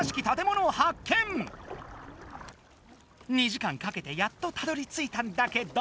２時間かけてやっとたどりついたんだけど。